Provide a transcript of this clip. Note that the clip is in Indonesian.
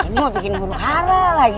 nino bikin buruk hara lagi